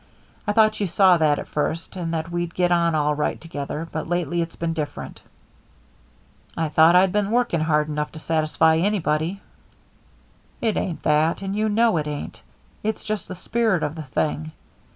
I thought you saw that at first, and that we'd get on all right together, but lately it's been different." "I thought I'd been working hard enough to satisfy anybody." "It ain't that, and you know it ain't. It's just the spirit of the thing.